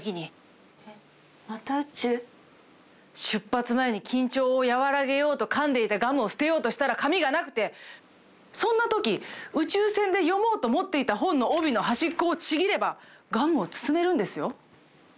出発前に緊張を和らげようとかんでいたガムを捨てようとしたら紙がなくてそんな時宇宙船で読もうと持っていた本の帯の端っこをちぎればガムを包めるんですよ。